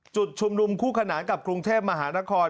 จุดชุมนุมคู่ขนานกับกรุงเทพมหานคร